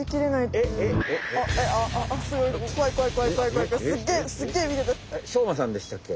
しょうまさんでしたっけ？